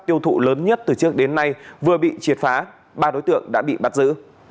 tiêu thụ lớn nhất từ trước đến nay vừa bị triệt phá ba đối tượng đã bị bắt giữ